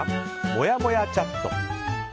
もやもやチャット。